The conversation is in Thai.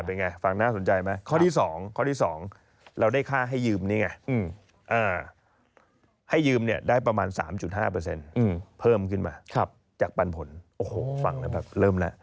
โอ้โหฟังนะแบบเริ่มแล้ว